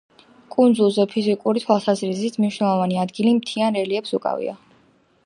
კუნძულზე ფიზიკური თვალსაზრისით, მნიშვნელოვანი ადგილი მთიან რელიეფს უკავია.